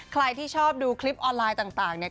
ใครที่ชอบดูคลิปออนไลน์ต่างเนี่ย